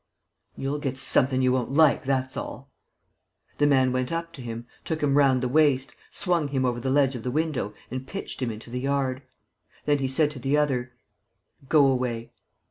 "You'll get something you won't like, that's all!" The man went up to him, took him round the waist, swung him over the ledge of the window and pitched him into the yard. Then he said to the other: "Go away."